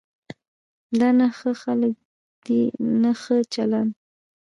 دا نه ښه خلک دي نه ښه چلند.